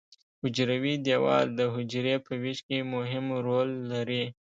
حجروي دیوال د حجرې په ویش کې مهم رول لري.